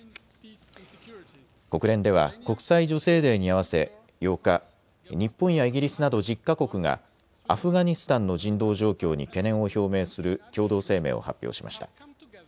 国連では国際女性デーに合わせ８日、日本やイギリスなど１０か国がアフガニスタンの人道状況に懸念を表明する共同声明を発表しました。